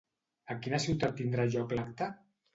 A quina ciutat tindrà lloc l'acte?